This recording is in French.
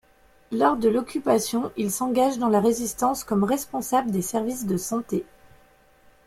Lors de l’Occupation, il s’engage dans la Résistance comme responsable des services de santé.